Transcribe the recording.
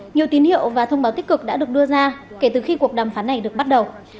nhiều tín hiệu và thông báo tích cực đã được đưa ra kể từ khi cuộc đàm phán này được bắt đầu